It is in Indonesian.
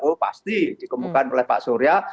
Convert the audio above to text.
oh pasti dikemukakan oleh pak surya